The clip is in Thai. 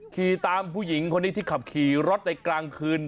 ขี่ตามผู้หญิงคนนี้ที่ขับขี่รถในกลางคืน